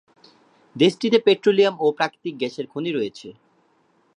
দেশটিতে পেট্রোলিয়াম ও প্রাকৃতিক গ্যাসের খনি রয়েছে।